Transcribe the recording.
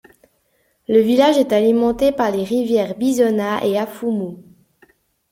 Le village est alimenté par les rivières Bizona et Afoumou.